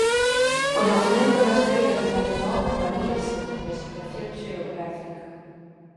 O nacemento das crías durante o ano varía segundo a situación xeográfica.